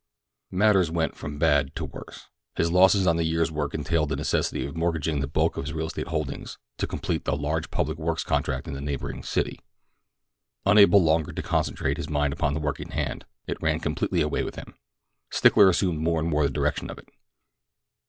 Matters went from bad to worse. His losses on the year's work entailed the necessity of mortgaging the bulk of his real estate holdings to complete a large public works contract in a neighboring city. Unable longer to concentrate his mind upon the work in hand, it ran completely away with him. Stickler assumed more and more the direction of it.